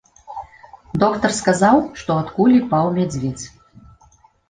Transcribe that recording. Доктар сказаў, што ад кулі паў мядзведзь.